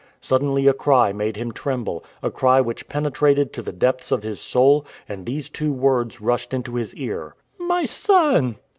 Suddenly a cry made him tremble, a cry which penetrated to the depths of his soul, and these two words rushed into his ear: "My son!"